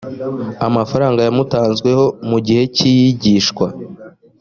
amafaranga yamutanzweho mu gihe cy iyigishwa